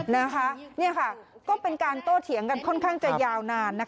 นี่ค่ะก็เป็นการโต้เถียงกันค่อนข้างจะยาวนาน